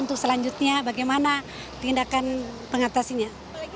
untuk selanjutnya bagaimana tindakan pengatasinya